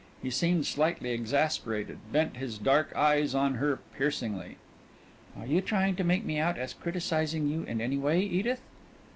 He seemed slightly exasperated, bent his dark eyes on her piercingly. "Are you trying to make me out as criticizing you in any way, Edith?"